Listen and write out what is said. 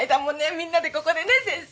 みんなでここでね先生。